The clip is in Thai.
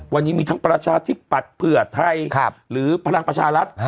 วันนี้มีทั้งประชาธิปัตย์เผื่อไทยหรือพลังประชารัฐ